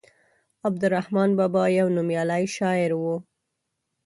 عبدالرحمان بابا يو نوميالی شاعر وو.